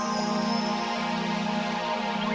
saya tidak peduli